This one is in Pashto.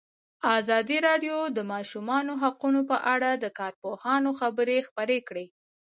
ازادي راډیو د د ماشومانو حقونه په اړه د کارپوهانو خبرې خپرې کړي.